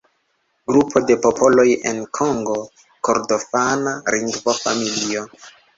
Grupo de popoloj en Kongo-Kordofana lingvofamilio.